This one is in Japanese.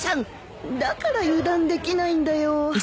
だから油断できないんだよ。